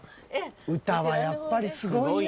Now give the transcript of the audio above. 歌はやっぱりすごいな。